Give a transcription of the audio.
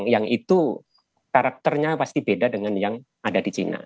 yang itu karakternya pasti beda dengan yang ada di china